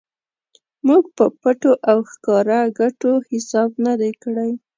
موږ په پټو او ښکاره ګټو حساب نه دی کړی.